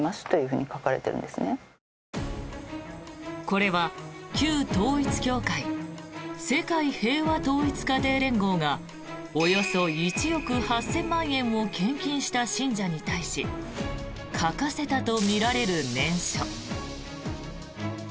これは、旧統一教会世界平和統一家庭連合がおよそ１億８０００万円を献金した信者に対し書かせたとみられる念書。